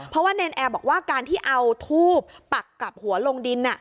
เพราะว่าเนรนแอร์บอกว่าการที่เอาทูบปักกับหัวลงดิน